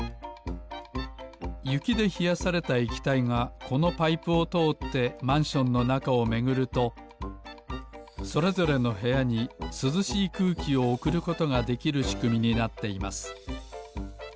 ゆきでひやされたえきたいがこのパイプをとおってマンションのなかをめぐるとそれぞれのへやにすずしいくうきをおくることができるしくみになっています